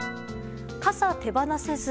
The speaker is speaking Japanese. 傘、手放せず。